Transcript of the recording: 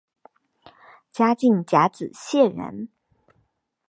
嘉靖甲子解元。